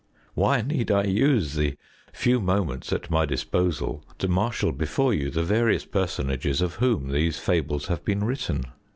Why need I use the few moments at my disposal to marshal before you the various personages of whom these fables have been written?